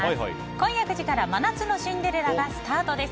今夜９時から「真夏のシンデレラ」がスタートです。